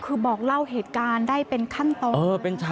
คือบอกเล่าเหตุการณ์ได้เป็นขั้นตอน